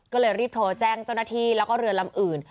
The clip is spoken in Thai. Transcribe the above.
ก็เลยรีบโทรแจ้งเจ้าหน้าที่แล้วก็เรือลำอื่น